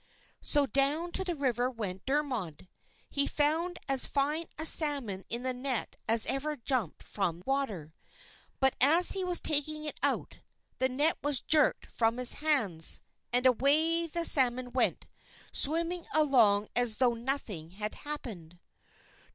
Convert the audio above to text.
So down to the river went Dermod. He found as fine a salmon in the net as ever jumped from water. But as he was taking it out, the net was jerked from his hands, and away the salmon went, swimming along as though nothing had happened.